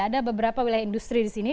ada beberapa wilayah industri di sini